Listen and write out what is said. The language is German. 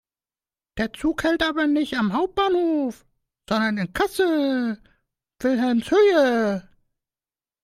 Der Zug hält aber nicht am Hauptbahnhof, sondern in Kassel-Wilhelmshöhe.